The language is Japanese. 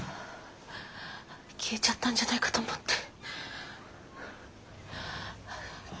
消えちゃったんじゃないかと思って。